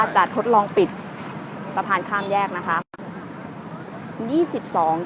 จะทดลองปิดสะพานข้ามแยกนะคะเดี๋ยวย้ำกันอีกทีแล้วกัน